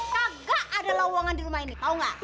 kagak ada lowongan di rumah ini tau gak